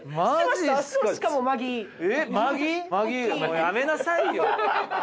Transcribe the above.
やめなさいよ。